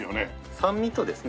酸味とですね